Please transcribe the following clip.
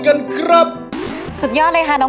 ผ่านยกที่สองไปได้นะครับคุณโอ